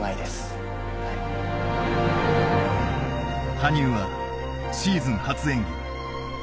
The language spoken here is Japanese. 羽生はシーズン初演技。